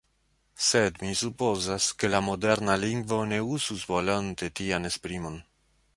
Sed mi supozas, ke la moderna lingvo ne uzus volonte tian esprimon.